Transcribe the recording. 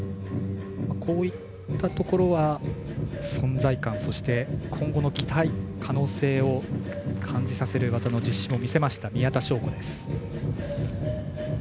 こういったところは存在感そして、今後の期待、可能性を感じさせる技の実施を見せた宮田笙子です。